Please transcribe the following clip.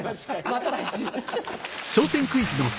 また来週。